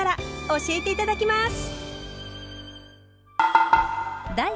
教えて頂きます。